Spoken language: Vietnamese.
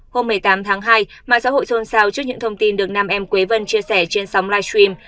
hôm một mươi tám tháng hai mạng xã hội xôn xao trước những thông tin được nam em khuấy vân chia sẻ trên sóng live stream